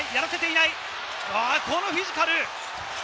このフィジカル。